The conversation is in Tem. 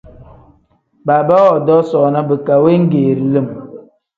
Baaba woodoo soona bika wengeeri lim.